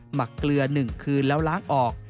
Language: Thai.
หมักเกลือ๑คืนแล้วล้างออก